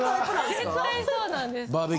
絶対そうなんです。